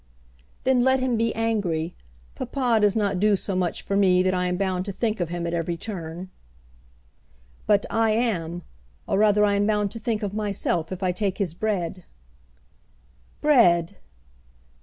"Then let him be angry. Papa does not do so much for me that I am bound to think of him at every turn." "But I am, or rather I am bound to think of myself, if I take his bread." "Bread!"